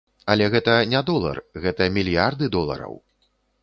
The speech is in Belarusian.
Але гэта не долар, гэта мільярды долараў.